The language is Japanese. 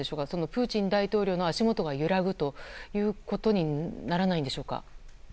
プーチン大統領の足元が揺らぐということにならないんでしょうか。